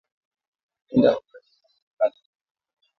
Naenda ku kalemie